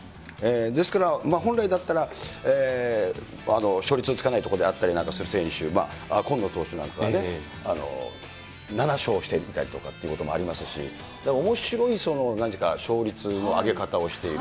ですから、本来だったら勝率がつかないところにあったりする選手、例えば、こんの投手なんかね、７勝していたりとかっていうこともありますし、おもしろいなんていうか、勝率のあげ方をしている。